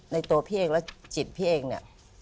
ตัวพี่เองและจิตพี่เองเนี่ย